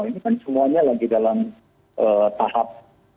ini kan semuanya lagi dalam tahap